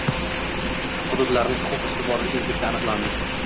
Hududlarning huquq ustuvorligi indeksi aniqlanadi